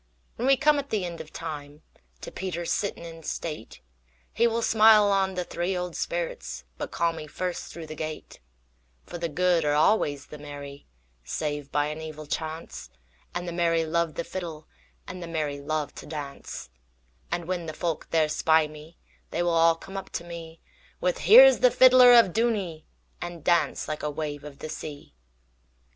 When we come at the end of time, To Peter sitting in state, He will smile on the three old spirits, But call me first through the gate; For the good are always the merry, Save by an evil chance, And the merry love the fiddleAnd the merry love to dance:And when the folk there spy me, They will all come up to me, With 'Here is the fiddler of Dooney!'And dance like a wave of the sea.